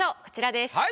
こちらです。